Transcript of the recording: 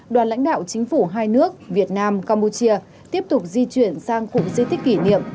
đoàn lãnh đạo chính phủ hai nước việt nam campuchia tiếp tục di chuyển sang cụm di tích kỷ niệm